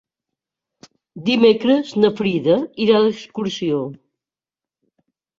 Dimecres na Frida irà d'excursió.